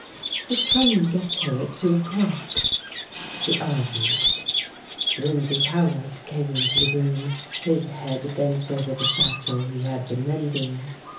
"The train gets here at two o'clock," she argued. Lindsay Cowart came into the room, his head bent over the satchel he had been mending.